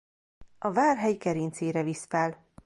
A Vár-hegy gerincére visz fel.